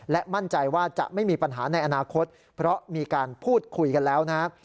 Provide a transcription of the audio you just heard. และมั่นใจว่าจะไม่มีปัญหาในอนาคตเพราะมีการพูดคุยกันแล้วนะครับ